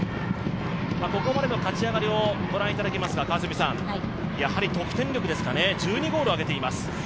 ここまでの勝ち上がりをご覧いただきますがやはり得点力ですかね、１２ゴール挙げています。